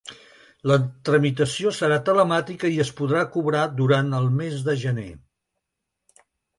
La tramitació serà telemàtica i es podrà cobrar durant el mes de gener.